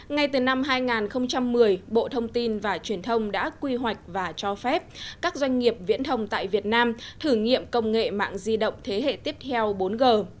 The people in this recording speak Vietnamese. ngay từ năm hai nghìn một mươi bộ thông tin và truyền thông đã quy hoạch và cho phép các doanh nghiệp viễn thông tại việt nam thử nghiệm công nghệ mạng di động thế hệ tiếp theo bốn g